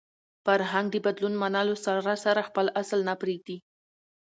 فرهنګ د بدلون منلو سره سره خپل اصل نه پرېږدي.